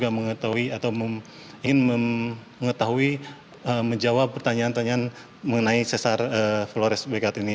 jadi kita ingin mengetahui atau ingin mengetahui menjawab pertanyaan pertanyaan mengenai sesar flores bekar ini